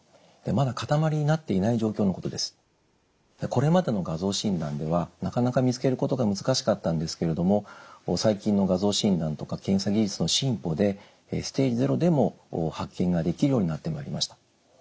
これまでの画像診断ではなかなか見つけることが難しかったんですけれども最近の画像診断とか検査技術の進歩でステージ０でも発見ができるようになってまいりました。